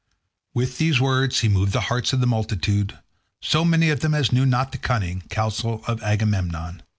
With these words he moved the hearts of the multitude, so many of them as knew not the cunning counsel of Agamemnon.